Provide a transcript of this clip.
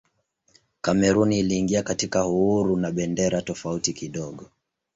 Kamerun iliingia katika uhuru na bendera tofauti kidogo.